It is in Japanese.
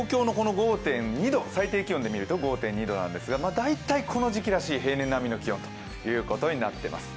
最低気温で見ると５．２度なんですが大体この時期らしい平年並みの気温になっています。